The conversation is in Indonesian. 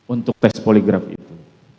untuk tes poligraf itu